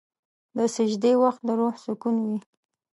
د سجدې وخت د روح سکون وي.